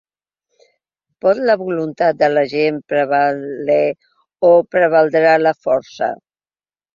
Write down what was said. Pot la voluntat de la gent prevaler o prevaldrà la força?.